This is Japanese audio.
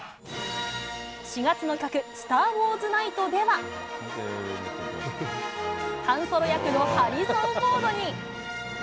４月の企画、スター・ウォーズ・ナイトでは、ハン・ソロ役のハリソン・フォードに。